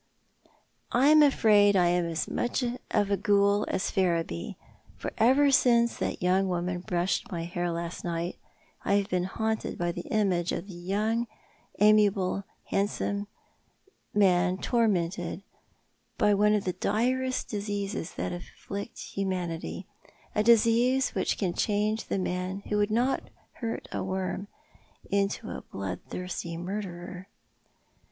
I'm afraid I am as much of a ghoul as Ferriby, for ever since that young woman brushed my hair last night I have been liaunted by the image of the handsome, amiable young man tormented by one of the direst diseases that afflict humanity — a disease which can change the man who would not hurt a worm into a bloodthirsty murderer.